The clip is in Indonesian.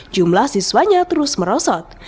jumlah siswanya terus merosot